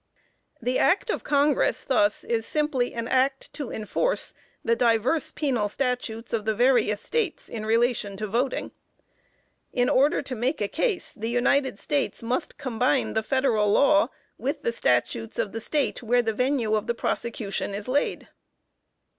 The Act of Congress thus, is simply an Act to enforce the diverse penal statutes of the various States in relation to voting. In order to make a case, the United States must combine the federal law with the statutes of the State where the venue of the prosecution is laid.